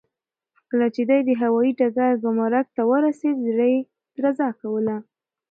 کله چې دی د هوايي ډګر ګمرک ته ورسېد، زړه یې درزا کوله.